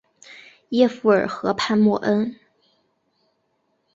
耶弗尔河畔默恩。